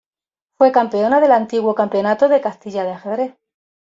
Fue campeona del antiguo campeonato de Castilla de ajedrez.